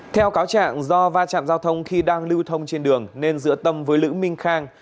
theo cáo trạng do va chạm giao thông khi đang lưu thông trên đường nên giữa tâm với lữ minh khang